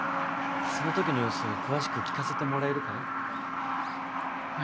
そのときの様子を詳しく聞かせてもらえるかい？